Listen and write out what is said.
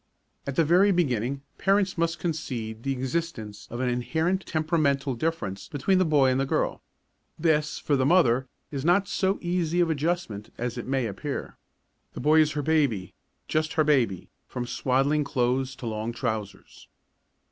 At the very beginning parents must concede the existence of an inherent temperamental difference between the boy and the girl. This, for the mother, is not so easy of adjustment as it may appear. The boy is her baby, just her baby, from swaddling clothes to long trousers.